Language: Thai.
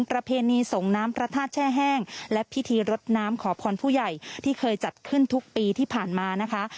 ประเพณีส่งน้ำพระธาตุแช่แห้งและพิธีรดน้ำขอพรผู้ใหญ่ที่เคยจัดขึ้นทุกปีที่ผ่านมานะคะ